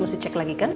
mesti cek lagi kan